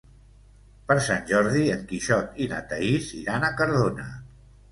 Per Sant Jordi en Quixot i na Thaís iran a Cardona.